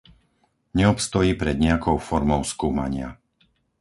Neobstojí pred nijakou formou skúmania.